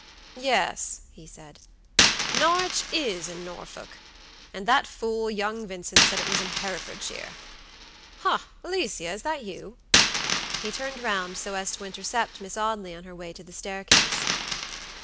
"Yes," he said, "Norwich is in Norfolk, and that fool, young Vincent, said it was in Herefordshire. Ha, Alicia, is that you?" He turned round so as to intercept Miss Audley on her way to the staircase.